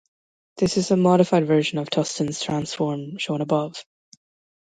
This is a modified version of Tustin's transform shown above.